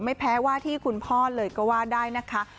ไม่แพ้ว่าที่คุณพ่อเลยก็ว่าได้นะคะ